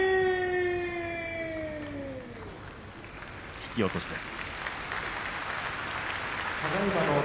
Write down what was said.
引き落としです。